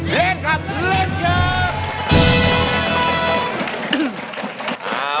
เล่นครับเล่นเกลียว